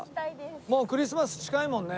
もうクリスマス近いもんね。